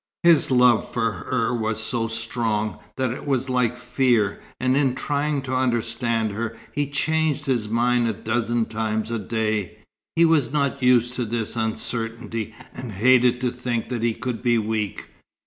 His love for her was so strong, that it was like fear, and in trying to understand her, he changed his mind a dozen times a day. He was not used to this uncertainty, and hated to think that he could be weak.